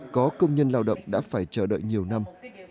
có công nhân lao động đã phải chờ đợi nhiều năm